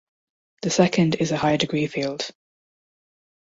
The second is a higher degree field.